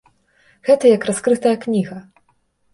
Гэта як раскрытая кніга.